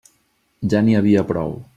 Ja n'hi havia prou.